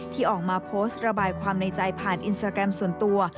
ที่ออกมาโพสต์ระบายความในใจผ่านอินสตราแกรมส่วนตัว